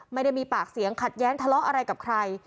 ไม่ได้มีปากเสียงขัดแย้งทะเลาะอะไรกับใคร